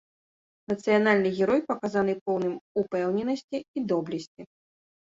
Нацыянальны герой паказаны поўным упэўненасці і доблесці.